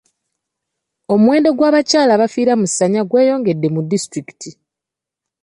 Omuwendo gw'abakyala abafiira mu ssanya gweyongedde mu disitulikiti.